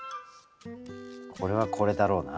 これはこれだろうな。